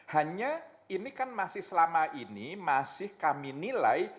hanya ini kan masih selama ini masih kami nilai